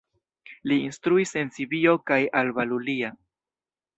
Li instruis en Sibio kaj Alba Iulia.